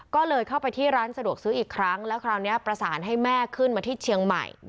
ก็เลยเข้าไปที่ร้านสะดวกซื้ออีกครั้งแล้วคราวนี้ประสานให้แม่ขึ้นมาที่เชียงใหม่